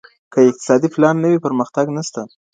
که اقتصادي پلان نه وي پرمختګ نسته.